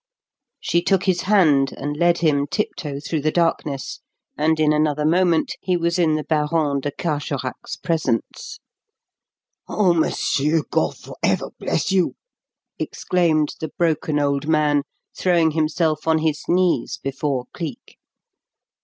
She took his hand and led him tiptoe through the darkness, and in another moment he was in the Baron de Carjorac's presence. "Oh, monsieur, God for ever bless you!" exclaimed the broken old man, throwing himself on his knees before Cleek.